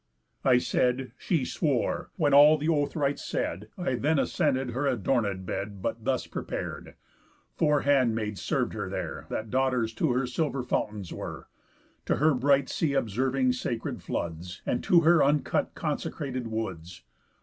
I said, she swore, when, all the oath rites said, I then ascended her adornéd bed, But thus prepar'd: Four handmaids served her there, That daughters to her silver fountains were, To her bright sea observing sacred floods, And to her uncut consecrated woods.